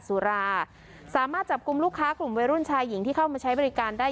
สุราสามารถจับกลุ่มลูกค้ากลุ่มวัยรุ่นชายหญิงที่เข้ามาใช้บริการได้